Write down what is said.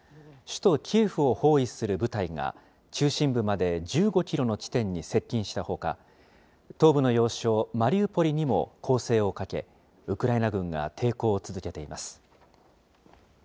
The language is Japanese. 首都キエフを包囲する部隊が、中心部まで１５キロの地点に接近したほか、東部の要衝マリウポリにも攻勢をかけ、ウクライナ軍が抵抗を続けています。